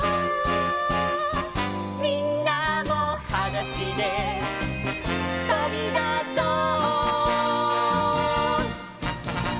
「みんなもはだしでとびだそう」